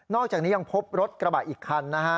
อกจากนี้ยังพบรถกระบะอีกคันนะฮะ